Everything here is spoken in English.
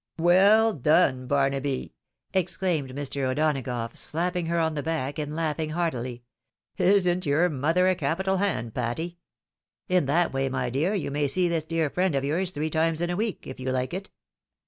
" Well done, Barnaby !" exclaimed Mr. O'Donagough, slapping her on the back, and laughing heartily. " Isn't your mother a capital hand, Patty ? In that way, my dear, you may see this dear friend of yours, three times in a week, if you like it."